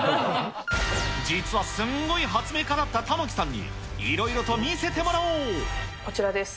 実はすんごい発明家だった玉城さんに、こちらです。